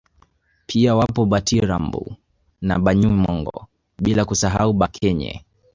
Pia wapo Batimbaru na Banyamongo bila kusahau Bakenye